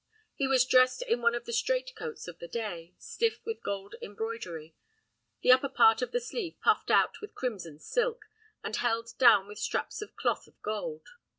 He was dressed in one of the strait coats of the day, stiff with gold embroidery, the upper part of the sleeve puffed out with crimson silk, and held down with straps of cloth of gold.